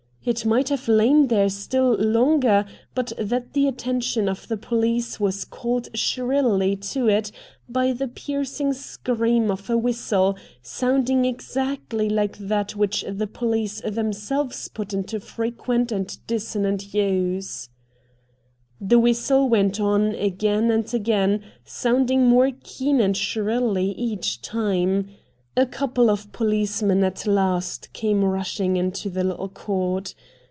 It might have lain there still longer but that the attention of the police was called shrilly to it by the piercing scream of a whistle, sounding exactly like that which the police themselves put into frequent and dissonant use. The whistle went on again and MR. RATT GUNDY in again, sounding more keen and shrilly each time. A couple of policemen at last came rushing into the little court.